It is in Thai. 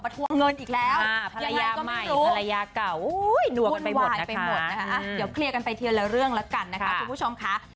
เดี๋ยวเคลียร์กันไปทีละเรื่องแล้วกันนะคะทุกผู้ชม